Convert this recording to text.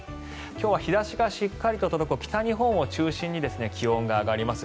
今日は日差しがしっかりと届く北日本を中心に気温が上がります。